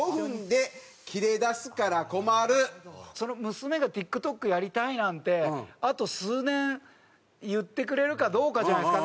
娘が「ＴｉｋＴｏｋやりたい」なんてあと数年言ってくれるかどうかじゃないですか。